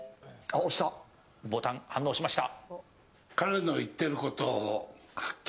ボタンが反応しました。